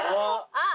あっ。